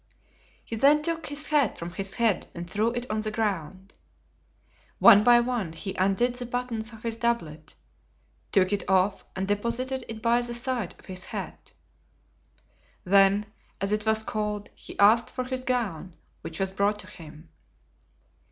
He then took his hat from his head and threw it on the ground. One by one he undid the buttons of his doublet, took it off and deposited it by the side of his hat. Then, as it was cold, he asked for his gown, which was brought to him.